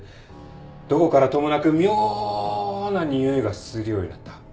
どこからともなく妙な臭いがするようになった。